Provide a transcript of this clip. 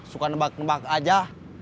bukan nebak nebak aja